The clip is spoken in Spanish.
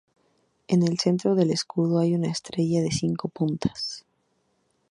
En el centro del escudo hay una estrella de cinco puntas.